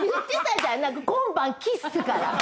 今晩キッスから。